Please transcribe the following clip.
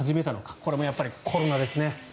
これもやっぱりコロナですね。